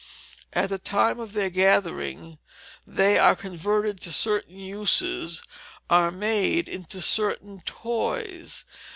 At the time of their gathering they are converted to certain uses, are made into certain toys.